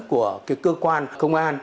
của cơ quan công an